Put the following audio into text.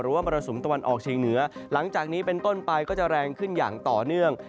มรสุมตะวันออกเชียงเหนือหลังจากนี้เป็นต้นไปก็จะแรงขึ้นอย่างต่อเนื่อง